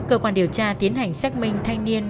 cơ quan điều tra tiến hành xác minh thanh niên